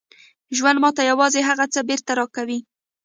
ژوند ماته یوازې هغه څه بېرته راکوي